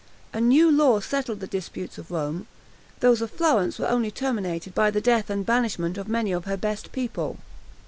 A new law settled the disputes of Rome; those of Florence were only terminated by the death and banishment of many of her best people.